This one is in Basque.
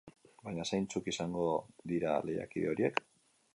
Baina, zeintzuk izango dira lehiakide horiek?